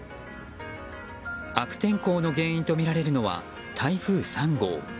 悪天候の原因とみられるのは台風３号。